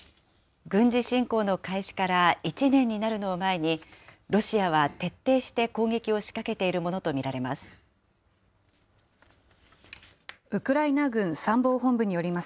軍事侵攻の開始から１年になるのを前に、ロシアは徹底して攻撃を仕掛けているものと見られます。